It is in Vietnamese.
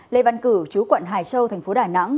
lê văn cử chú quận hải châu tp đà nẵng